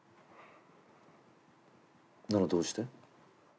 ならどうして？